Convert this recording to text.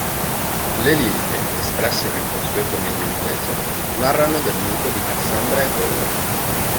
Le liriche, espresse nel consueto medio inglese, narrano del mito di Cassandra e Apollo.